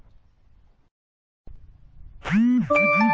สวัสดีครับ